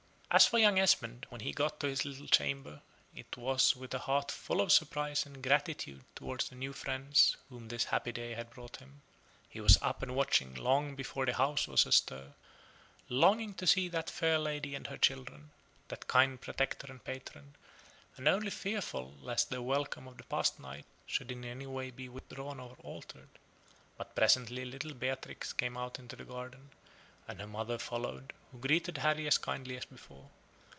As for young Esmond, when he got to his little chamber, it was with a heart full of surprise and gratitude towards the new friends whom this happy day had brought him. He was up and watching long before the house was astir, longing to see that fair lady and her children that kind protector and patron: and only fearful lest their welcome of the past night should in any way be withdrawn or altered. But presently little Beatrix came out into the garden, and her mother followed, who greeted Harry as kindly as before.